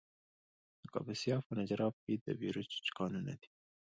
د کاپیسا په نجراب کې د بیروج کانونه دي.